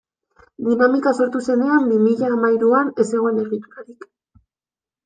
Dinamika sortu zenean, bi mila hamahiruan, ez zegoen egiturarik.